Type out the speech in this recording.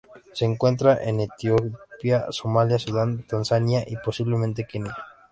Se encuentra en Etiopía, Somalia, Sudán, Tanzania, y, posiblemente, Kenia.